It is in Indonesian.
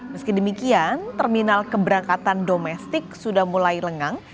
meski demikian terminal keberangkatan domestik sudah mulai lengang